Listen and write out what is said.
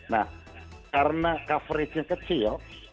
nah karena coverage nya kecil